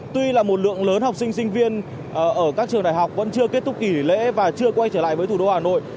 tuy là một lượng lớn học sinh sinh viên ở các trường đại học vẫn chưa kết thúc kỷ lễ và chưa quay trở lại với thủ đô hà nội